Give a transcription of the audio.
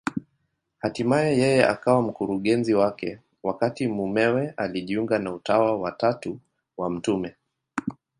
Hatimaye yeye akawa mkurugenzi wake, wakati mumewe alijiunga na Utawa wa Tatu wa Mt.